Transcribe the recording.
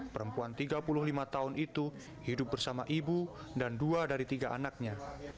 perempuan tiga puluh lima tahun itu hidup bersama ibu dan dua dari tiga anaknya